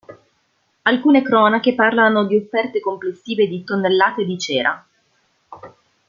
Alcune cronache parlano di offerte complessive di tonnellate di cera.